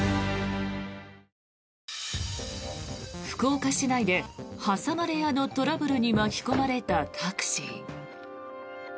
福岡市内で挟まれ屋のトラブルに巻き込まれたタクシー。